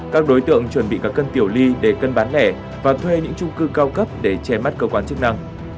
các đối tượng chuẩn bị các cân tiểu ly để cân bán lẻ và thuê những trung cư cao cấp để che mắt cơ quan chức năng